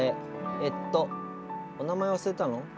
えっとお名前わすれたの？